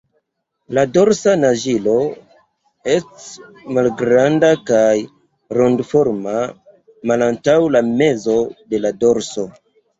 La dorsa naĝilo ests malgranda kaj rondoforma malantaŭ la mezo de la dorso.